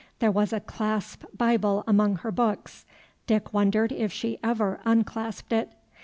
There was a clasp Bible among her books. Dick wondered if she ever unclasped it.